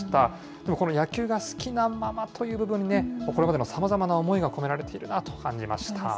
でもこの野球が好きなままという部分ね、これまでのさまざまな思いが込められているなと感じました。